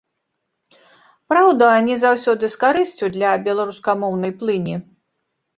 Праўда, не заўсёды з карысцю для беларускамоўнай плыні.